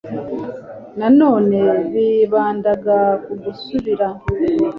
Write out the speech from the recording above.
Nanone bibandaga ku gusubira